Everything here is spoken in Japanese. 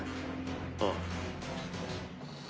ああ。